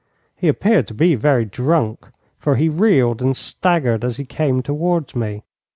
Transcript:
He appeared to be very drunk, for he reeled and staggered as he came towards me.